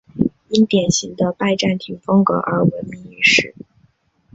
因典型的拜占庭风格而闻名于世。